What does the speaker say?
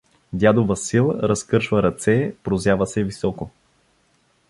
Дядо Васил разкършва ръце, прозява се високо.